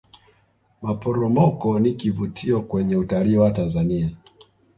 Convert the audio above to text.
maporomoko ni kivutio kwenye utalii wa tanzania